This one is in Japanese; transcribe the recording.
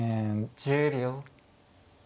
１０秒。